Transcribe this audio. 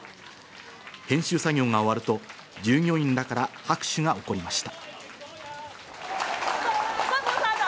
編集作業が終わると従業員らから拍手が起こりました。